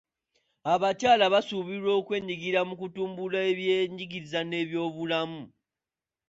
Abakyala basuubirwa okwenyigira mu kutumbula ebyenjigiriza n'ebyobulamu.